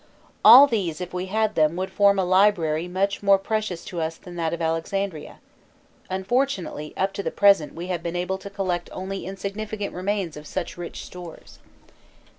All these, if we had them, would form "a library much more precious to us than that of Alexandria;" unfortunately up to the present we have been able to collect only insignificant remains of such rich stores.